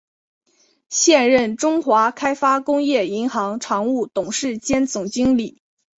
现任中华开发工业银行常务董事兼总经理。